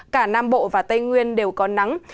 cả nam bộ và tây nguyên đều có nắng